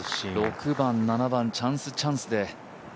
６番、７番、チャンス、チャンスで。